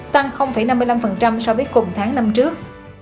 tăng năm mươi năm so với cùng tháng năm trước